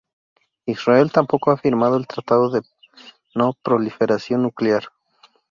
Israel tampoco ha firmado el Tratado de No Proliferación Nuclear.